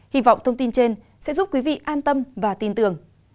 hy vọng thông tin trên sẽ giúp quý vị an tâm và tin tưởng